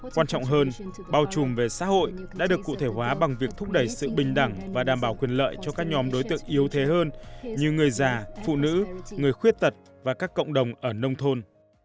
quan trọng hơn bao trùm về xã hội đã được cụ thể hóa bằng việc thúc đẩy sự bình đẳng và đảm bảo quyền lợi cho các nhóm đối tượng yếu thế hơn như người già phụ nữ người khuyết tật và các cộng đồng ở nông thôn